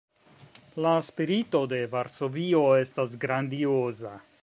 La spirito de Varsovio estas grandioza.